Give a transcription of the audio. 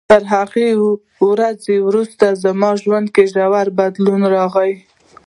تر همغې ورځې وروسته زما په ژوند کې ژور بدلون راغی.